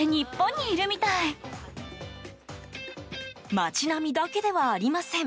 街並みだけではありません。